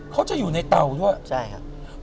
เขาจะอยู่ในเตาด้วยใช่ครับ